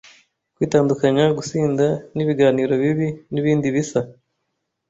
kwitandukanya, gusinda, n'ibiganiro bibi, n'ibindi bisa